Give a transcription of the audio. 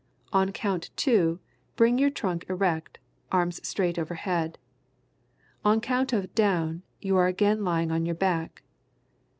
On count "two," bring your trunk erect, arms straight overhead. On count of "down" you are again lying on your back.